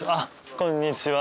こんにちは。